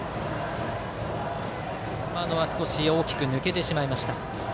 今のは少し大きく抜けてしまいました。